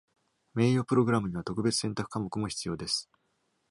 名誉プログラムには、特別選択科目も必要です。